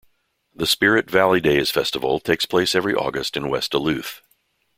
The Spirit Valley Days festival takes place every August in West Duluth.